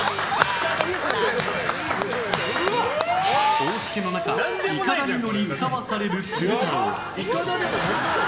大しけの中、いかだに乗り歌わされる鶴太郎。